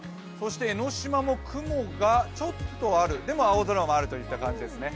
江の島も雲がちょっとある、でも青空もあるといった感じですね。